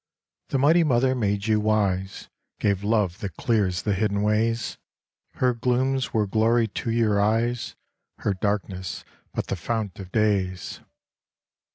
The Mighty Mother made you wise, Gave love that clears the hidden ways ; Her glooms were glory to your eyes, Her darkness but the Fount of Days.